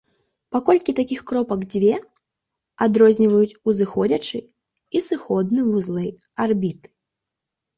Паколькі такіх кропак дзве, адрозніваюць узыходзячы і сыходны вузлы арбіты.